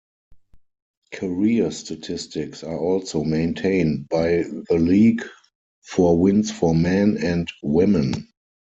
Career statistics are also maintained by the league for wins for men and women.